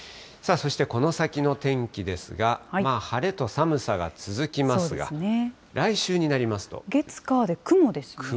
そしてこの先の天気ですが、晴れと寒さが続きますが、来週になり月、火で雲ですね。